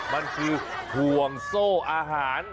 มันคือห่วงโซ่อาหาร